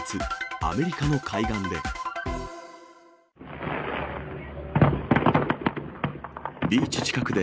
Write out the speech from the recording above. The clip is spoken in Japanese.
アメリカの海岸で。